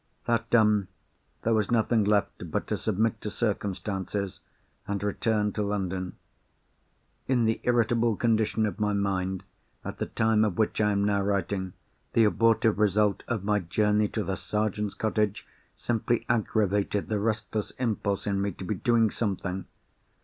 That done, there was nothing left but to submit to circumstances, and return to London. In the irritable condition of my mind, at the time of which I am now writing, the abortive result of my journey to the Sergeant's cottage simply aggravated the restless impulse in me to be doing something.